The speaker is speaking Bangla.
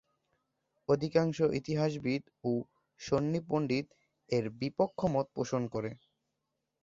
তবে অধিকাংশ ইতিহাসবিদ ও সুন্নি পণ্ডিত এর বিপক্ষ মত পোষণ করেন।